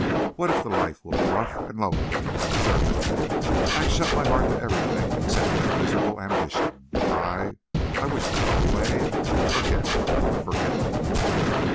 What if the life will be rough and lonely! I—I deserve it. I shut my heart to everything except that miserable ambition. I—oh, I wish to go away, and forget—forget!"